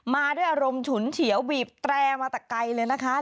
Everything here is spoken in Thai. มาด้วยอารมณ์ฉุนเฉียวบีบแตรมาแต่ไกลเลยนะคะ